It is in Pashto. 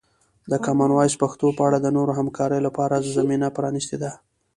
د کامن وایس پښتو په اړه د نورو همکاریو لپاره زمینه پرانیستې ده.